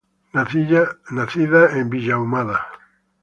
Nacida en Villa Ahumada.